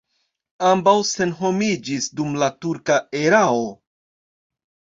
Ambaŭ senhomiĝis dum la turka erao.